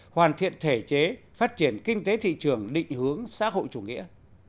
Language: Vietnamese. hoàn thiện thể chế phát triển kinh tế thị trường định hướng xã hội chủ nghĩa